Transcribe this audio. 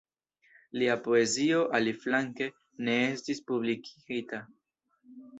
Lia poezio, aliflanke, ne estis publikigita.